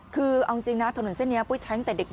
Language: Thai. คือเอาจริงนะถนนเส้นนี้ปุ้ยใช้ตั้งแต่เด็ก